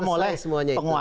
sudah selesai semuanya itu